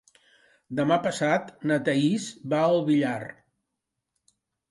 Demà passat na Thaís va al Villar.